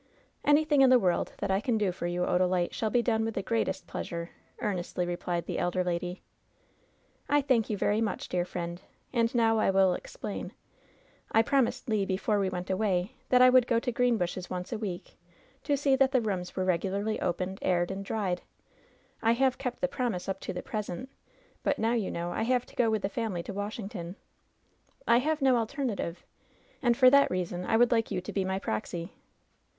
"Anything in the world that I can do for you, Oda lite, shall be done with the greatest pleasure," earnestly replied the elder lady. "I thank you very much, dear friend ; and now I will explain: I promised Le, before we went away, that I LOVE'S BITTEREST CUP 9» would go to Qreenbushes once a week to see that the rooms were regularly opened, aired and dried. I have kept the promise up to the present ; but now, you know, I have to go with the family to Washington. I have no alternative, and for that reason I would like you to be my proxy.''